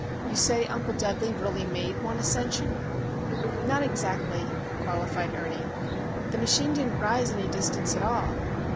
You say Uncle Dudley really made one ascension?" "Not exactly," qualified Ernie. "The machine didn't rise any distance at all.